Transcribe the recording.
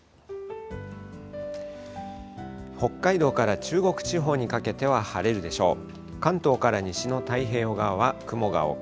北海道から中国地方にかけては晴れるでしょう。